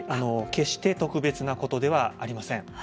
決して特別なことではありません。